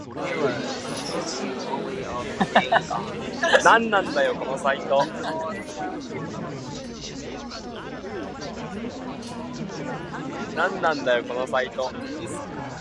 なんなんだよこのサイト